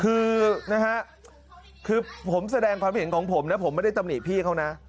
คือนะฮะคือผมแสดงความเห็นของผมนะผมไม่ได้ตำหนิพี่เขานะ